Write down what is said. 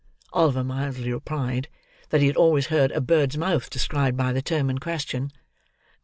Oliver mildly replied, that he had always heard a bird's mouth described by the term in question.